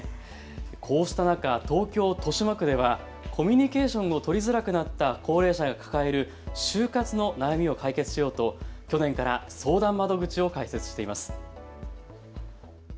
こうした中、東京豊島区ではコミュニケーションを取りづらくなった高齢者が抱える終活の悩みを解決しようと去年から相談窓口を開設しています。